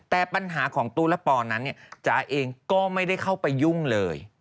แต่ปัญหาของตู้และปอนั้นเนี่ยจ๋าเองก็ไม่ได้เข้าไปยุ่งเลย